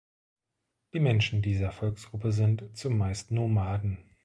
Die Menschen dieser Volksgruppe sind zumeist Nomaden.